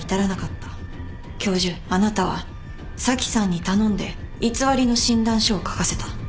教授あなたは紗季さんに頼んで偽りの診断書を書かせた。